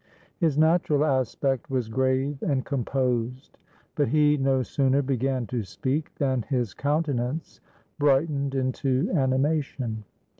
His natural aspect was grave and composed; but he no sooner began to speak than his countenance brightened into animation.